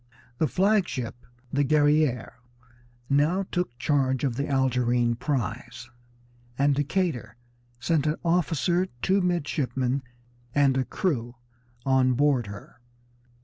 The flag ship, the Guerrière, now took charge of the Algerine prize, and Decatur sent an officer, two midshipmen, and a crew on board her.